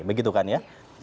begitu kan ya